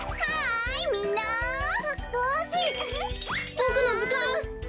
ボクのずかん！